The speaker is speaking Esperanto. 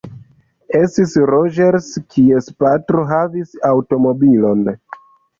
Estis Roĝers, kies patro havis aŭtomobilon.